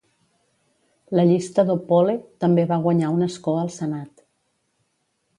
La llista d'Opole també va guanyar un escó al Senat.